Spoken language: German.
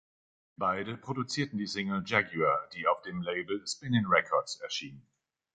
Beide produzierten die Single "Jaguar" die auf dem Label "Spinnin' Records" erschien.